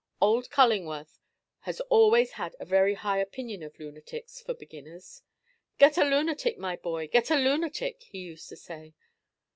Old Cullingworth has always had a very high opinion of lunatics for beginners. "Get a lunatic, my boy! Get a lunatic!" he used to say.